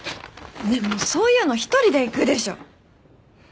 ねえもうそういうの一人で行くでしょ。